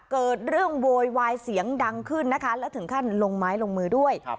เกิดเรื่องโวยวายเสียงดังขึ้นนะคะแล้วถึงขั้นลงไม้ลงมือด้วย